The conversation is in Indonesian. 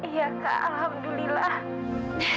iya kak alhamdulillah